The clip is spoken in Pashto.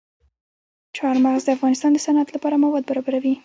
چار مغز د افغانستان د صنعت لپاره مواد برابروي.